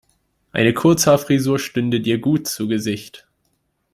Eine Kurzhaarfrisur stünde dir gut zu Gesicht.